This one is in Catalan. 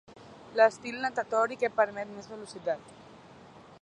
L'estil natatori que permet més velocitat.